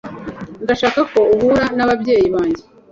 Ndashaka ko uhura n'ababyeyi banjye.